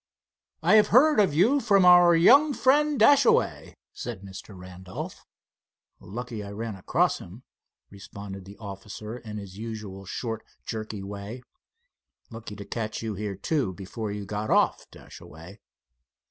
"I have heard of you from our young friend, Dashaway," said Mr. Randolph. "Lucky I ran across him," responded the officer, in his usual short, jerky way. "Lucky to catch you here, too, before you got off, Dashaway."